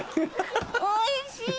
おいしい！